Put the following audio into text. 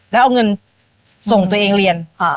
แล้วเอาเงินส่งตัวเองเรียน